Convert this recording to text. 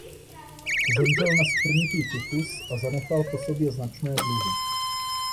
Zemřel na skvrnitý tyfus a zanechal po sobě značné dluhy.